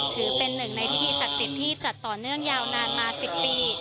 ถือเป็นหนึ่งในพิธีศักดิ์สิทธิ์ที่จัดต่อเนื่องยาวนานมา๑๐ปี